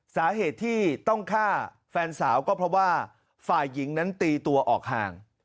สาเหตุที่ต้องฆ่าแฟนสาวก็เพราะว่าฝ่ายหญิงนั้นตีตัวออกห่าง